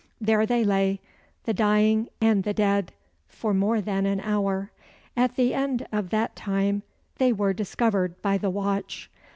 There they lay, the dying and the dead, for more than an hour. At the end of that time, they were discovered by the watch.